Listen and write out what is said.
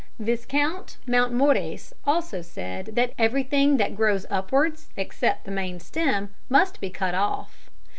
Viscount Mountmorres also said that everything that grows upwards, except the main stem, must be cut off.